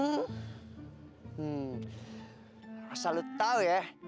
nggak usah lo tau ya